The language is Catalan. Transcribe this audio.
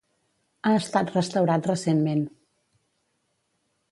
Ha estat restaurat recentment.